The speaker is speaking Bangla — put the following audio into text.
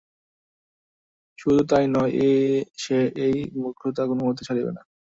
শুধু তাই নয়, সে এই মূর্খতা কোনমতে ছাড়িবে না।